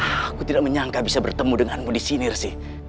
aku tidak menyangka bisa bertemu denganmu disini rizie